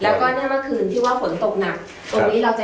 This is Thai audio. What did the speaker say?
แล้วก็นี่เมื่อคืนที่ว่าฝนตกหนักตรงนี้เราจะเห็นว่าเนี้ยถ้าเราจับ